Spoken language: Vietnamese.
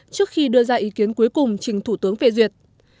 trước khi đưa ra ý kiến cuối cùng trình thủ tướng phê duyệt